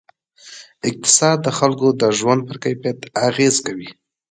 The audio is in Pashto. اقتصاد د خلکو د ژوند پر کیفیت اغېز کوي.